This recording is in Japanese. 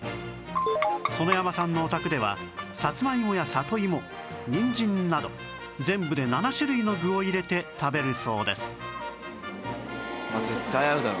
園山さんのお宅ではさつまいもや里芋にんじんなど全部で７種類の具を入れて食べるそうです